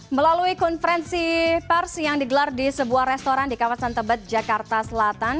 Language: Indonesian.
melalui konferensi pers yang digelar di sebuah restoran di kawasan tebet jakarta selatan